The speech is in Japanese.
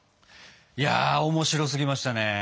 いや面白すぎましたね！